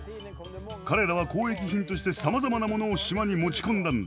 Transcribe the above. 彼らは交易品としてさまざまなものを島に持ち込んだんだ。